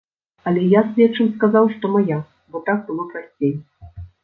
Але я следчым сказаў, што мая, бо так было прасцей.